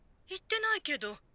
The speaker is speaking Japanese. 行ってないけど。